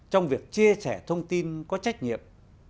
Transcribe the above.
trong việc chia sẻ thông tin có trách nhiệm